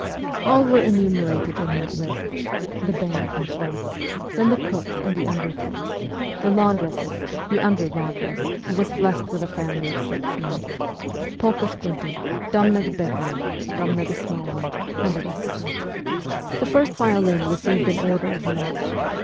All were enumerated in that list : the band in full ; then the cooks and the under cooks, the laundresses, the under laundress, who was blessed with a family of six mites, ' Polka Squinting,' ' Domna the Big One,' ' Domna the Small One,' and the rest of them. 46 MEMOIRS OF A REVOLUTIONIST The first violin received an ' order of march.'